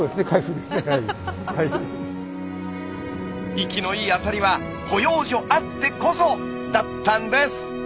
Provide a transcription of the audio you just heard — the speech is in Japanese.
生きのいいアサリは保養所あってこそ！だったんです。